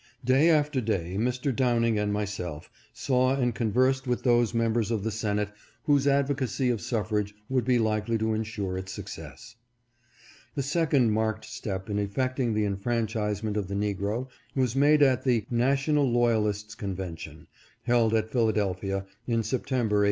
Day after day Mr. Downing and myself saw and conversed with those members of the Senate whose advocacy of suffrage would be likely to insure its success. The second marked step in effecting the enfranchise ment of the negro was made at the " National Loyalist's Convention," held at Philadelphia, in September, 1866.